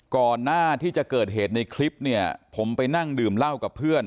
ก่อนหน้าที่จะเกิดเหตุในคลิปเนี่ยผมไปนั่งดื่มเหล้ากับเพื่อน